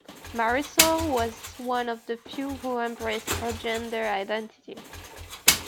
Marisol was one of the few who embraced her gender identity.